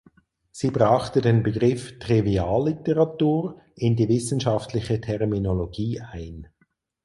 Sie brachte den Begriff „Trivialliteratur“ in die wissenschaftliche Terminologie ein.